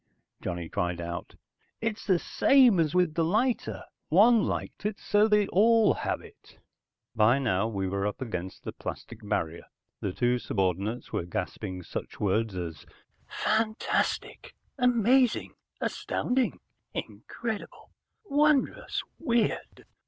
Johnny cried out. "It's the same as with the lighter. One liked it, so they all have it!" By now we were up against the plastic barrier. The two subordinates were gasping such words as "Fantastic, amazing, astounding, incredible, wondrous, weird".